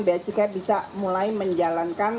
beacukai bisa mulai menjalankan